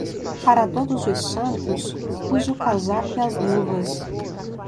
Para Todos os Santos, use o casaco e as luvas.